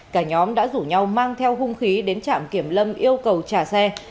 cả nhóm đã rủ nhau mang theo hung khí đến trạm kiểm lâm yêu cầu trả xe